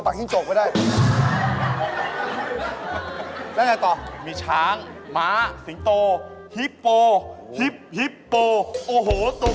บ้านของใหญ่มากำลังตั้งใจฟัง